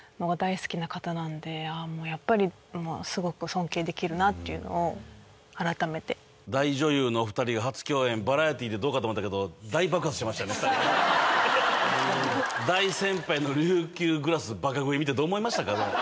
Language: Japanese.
やっぱりスゴく尊敬できるなっていうのを改めて大女優のお二人が初共演バラエティーでどうかと思ったけど大先輩の琉球グラスバカ食い見てどう思いましたか？